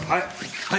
はい。